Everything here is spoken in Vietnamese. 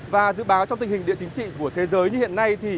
và dự báo trong tình hình địa chính trị của thế giới như hiện nay